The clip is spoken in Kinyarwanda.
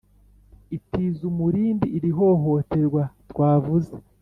itiza umurindi iri hohoterwa twavuze